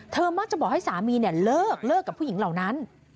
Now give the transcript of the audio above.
เธอมักจะบอกให้สามีเนี่ยเลิกเลิกกับผู้หญิงเหล่านั้น